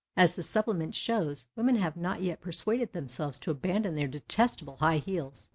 As the Supplement shows, women have not yet persuaded themselves to abandon their detestable high heels.